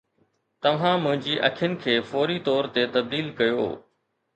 توهان منهنجي اکين کي فوري طور تي تبديل ڪيو